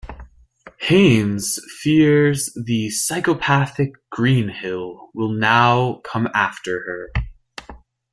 Haines fears the psychopathic Greenhill will now come after her.